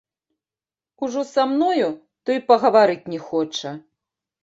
Ужо са мною, то і пагаварыць не хоча.